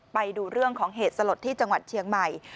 ไปดูเรื่องของเหตุสลดที่จังหวัดเชียงใหม่